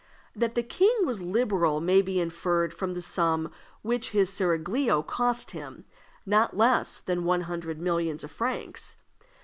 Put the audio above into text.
That the king was liberal may be inferred from the sum which this seraglio cost him not less than one hundred millions of francs.